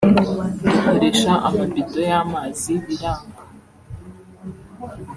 dukoresha amabido y’amazi biranga